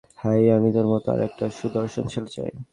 হেই, আমি তোর মতো আরেকটা সুদর্শন ছেলে চাই।